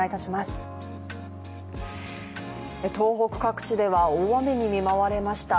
東北各地では大雨に見舞われました。